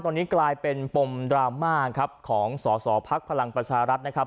ตอนนี้กลายเป็นปมดราม่าครับของสอสอภักดิ์พลังประชารัฐนะครับ